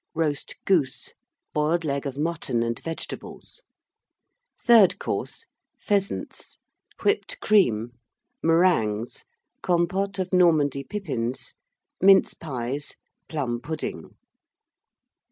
Roast Goose. Boiled Leg of Mutton and Vegetables. THIRD COURSE. Pheasants. Whipped Cream. Meringues. Compôte of Normandy Pippins. Mince Pies. Plum pudding.